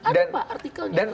ada pak artikelnya